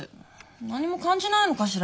何も感じないのかしら